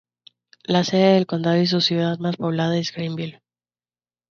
La sede del condado y su ciudad más poblada es Greenville.